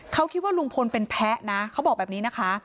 เขาคิดว่าลุงพลเป็นแพ้นะเขาบอกแบบนี้นะคะ